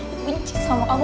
aku benci sama kamu